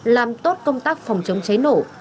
làm tốt công tác phòng chống cháy nổ